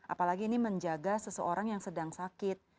apalagi ini menjaga seseorang yang sedang sakit